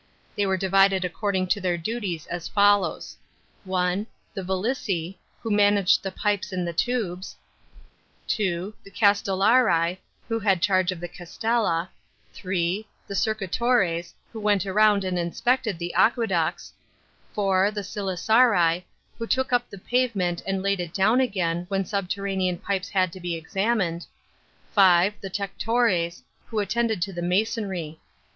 They were divided according to their duties as follows :* (1) the vilici, who managed the pipes and the tubes ; (2) t\ e caKtellarii, who had charge of the castttta ; (3) the circ"itores, who went round and inspected the aqueducts; (4) the silicarii, who took up the pavement and laid it down again, when subterranean pipes had to be examined; (5) the tectores, who attended to the masonry.